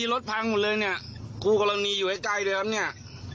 รถพังหมดเลยเนี่ยคู่กรณีอยู่ใกล้ด้วยครับเนี่ย